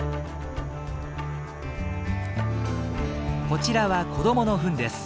こちらは子どものフンです。